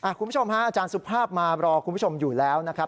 คุณผู้ชมอาจารย์สุภาพมารออยู่แล้วนะครับ